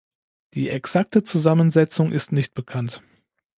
Die exakte Zusammensetzung ist nicht bekannt.